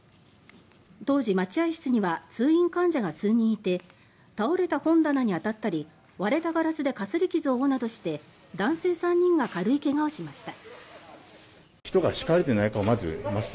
当時、待合室には通院患者が数人いて倒れた本棚に当たったり割れたガラスでかすり傷を負うなどして男性３人が軽い怪我をしました。